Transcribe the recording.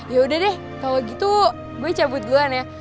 yaudah deh kalo gitu gue cabut duluan ya